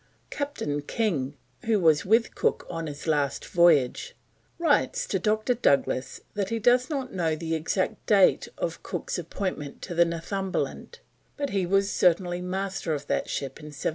Captain King, who was with Cook on his last voyage, writes to Dr. Douglas that he does not know the exact date of Cook's appointment to the Northumberland, but he was certainly Master of that ship in 1758.